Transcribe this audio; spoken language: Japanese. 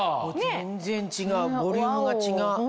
全然違うボリュームが違う。